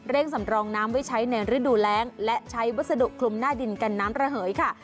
สำรองน้ำไว้ใช้ในฤดูแรงและใช้วัสดุคลุมหน้าดินกันน้ำระเหยค่ะ